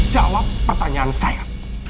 jawab pertanyaan saya